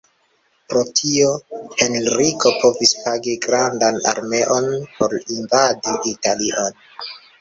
Pro tio Henriko povis pagi grandan armeon por invadi Italion.